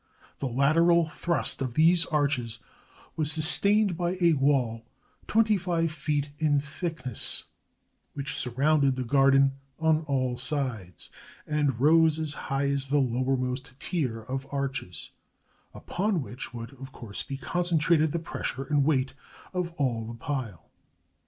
The lateral thrust of these arches was sustained by a wall twenty five feet in thickness, Si6 THE FALL OF BABYLON which surrounded the garden on all sides, and rose as high as the lowermost tier of arches, upon which would, of course, be concentrated the pressure and weight of all the pile.